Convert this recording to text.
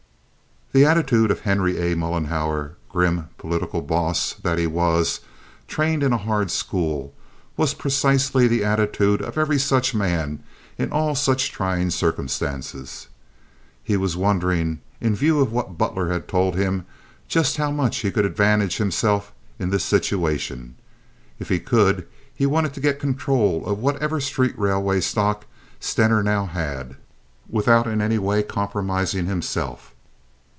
The attitude of Henry A. Mollenhauer, grim, political boss that he was—trained in a hard school—was precisely the attitude of every such man in all such trying circumstances. He was wondering, in view of what Butler had told him, just how much he could advantage himself in this situation. If he could, he wanted to get control of whatever street railway stock Stener now had, without in any way compromising himself.